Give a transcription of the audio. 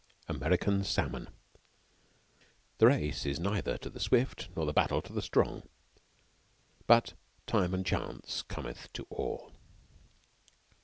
AMERICAN SALMON The race is neither to the swift nor the battle to the strong; but time and chance cometh to all.